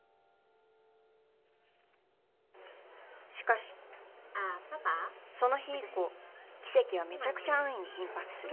しかしその日以降奇跡はめちゃくちゃ安易に頻発する